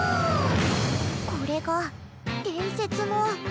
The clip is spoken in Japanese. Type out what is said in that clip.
これが伝説の。